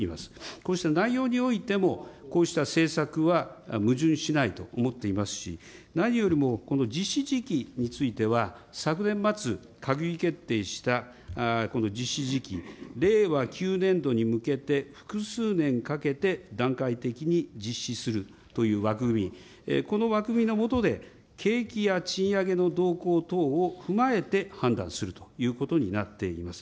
こうした内容においても、こうした政策は矛盾しないと思っていますし、何よりもこの実施時期については、昨年末、閣議決定したこの実施時期、令和９年度に向けて複数年かけて段階的に実施するという枠組み、この枠組みの下で景気や賃上げの動向等を踏まえて判断するということになっています。